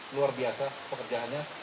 luar biasa pekerjaannya